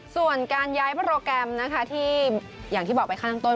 ส่วนการย้ายโปรแกรมนะคะที่อย่างที่บอกไปข้างต้น